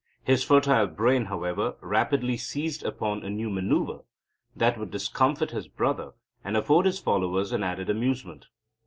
His fertile brain, however, rapidly seized upon a new manoeuvre which would discomfit his brother and afford his followers an added amusement.